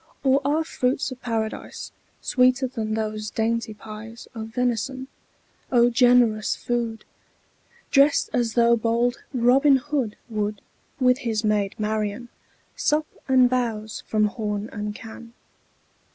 Or are fruits of Paradise Sweeter than those dainty pies Of venison? O generous food! Drest as though bold Robin Hood 10 Would, with his maid Marian, Sup and bowse from horn and can.